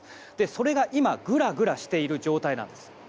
それが今、ぐらぐらしている状態なんです。